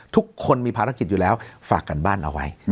ทุกคนมีภารกิจอยู่แล้วฝากกันบ้านเอาไว้